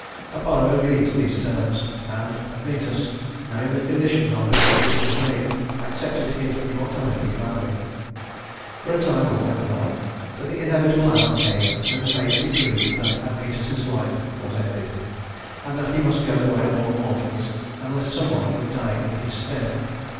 Apollo agreed to these terms, and Admetus, knowing the conditions on which the gift was made, accepted his immortality gladly. For a time all went well; but the inevitable hour came when the Fates decreed that Admetus's life was ended, and that he must go the way of all mortals unless some one would die in his stead.